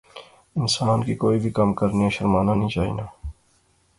انسان کی کوئی وی کم کرنیا شرمانا نی چاینا